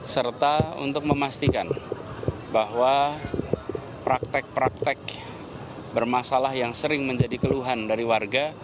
serta untuk memastikan bahwa praktek praktek bermasalah yang sering menjadi keluhan dari warga